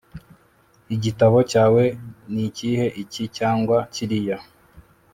Igitabo cyawe nikihe iki cyangwa kiriya